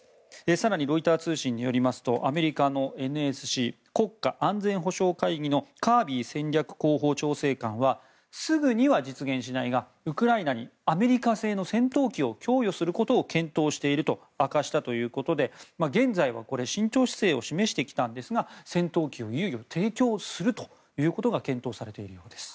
更に、ロイター通信によりますとアメリカのＮＳＣ・国家安全保障会議のカービー戦略広報調整官はすぐには実現しないがウクライナにアメリカ製の戦闘機を供与することを検討していると明かしたということで現在は慎重姿勢を示してきたんですが戦闘機を、いよいよ提供するということが検討されているようです。